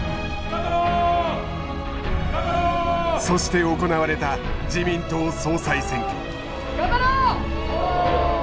そして行われた自民党総裁選挙。